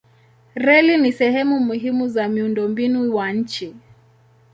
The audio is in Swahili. Reli ni sehemu muhimu za miundombinu wa nchi.